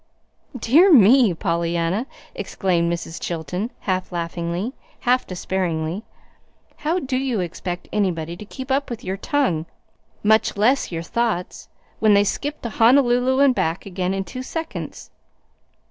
"Dear me, Pollyanna!" exclaimed Mrs. Chilton, half laughingly, half despairingly. "How do you expect anybody to keep up with your tongue, much less your thoughts, when they skip to Honolulu and back again in two seconds!